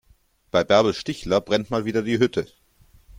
Bei Bärbel Stichler brennt mal wieder die Hütte.